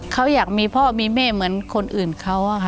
เขาอยากมีพ่อมีแม่เหมือนคนอื่นเขาอะค่ะ